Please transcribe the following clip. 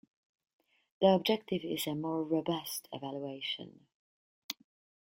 The objective is a more robust evaluation.